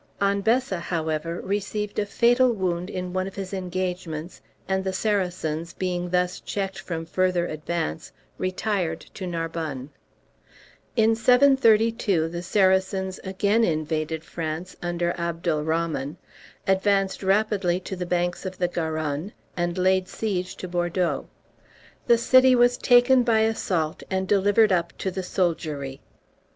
Anbessa, however, received a fatal wound in one of his engagements, and the Saracens, being thus checked from further advance, retired to Narbonne. In 732 the Saracens again invaded France under Abdalrahman, advanced rapidly to the banks of the Garonne, and laid siege to Bordeaux. The city was taken by assault and delivered up to the soldiery.